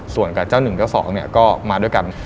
ส่วนกับเจ้าหนึ่งเจ้าสองก็มาด้วยกัน